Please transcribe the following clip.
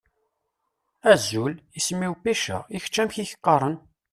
Azul! Isem-iw Pecca. I kečč amek i ak-qqaṛen?